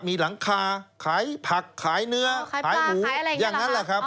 มีหลังคาขายผักขายเนื้อขายหมูอะไรอย่างนั้นแหละครับ